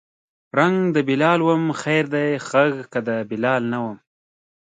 رنګ د بلال وم خیر دی غږ که د بلال نه وم